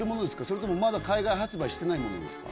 それともまだ海外発売してないものですか？